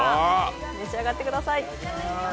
召し上がってください。